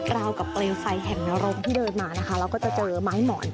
ราวกับเปลวไฟแห่งนรกที่เดินมานะคะแล้วก็จะเจอไม้หมอน